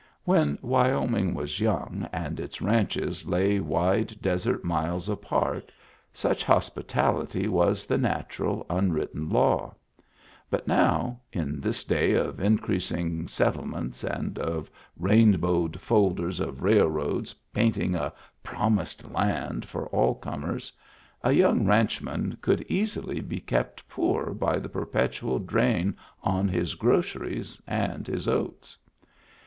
When Wyo ming was young and its ranches lay wide, desert miles apart, such hospitality was the natural, un written law; but now, in this day of increasing settlements and of rainbowed folders of railroads painting a promised land for all comers, a young ranchman could easily be kept poor by the perpet ual drain on his groceries and his oats.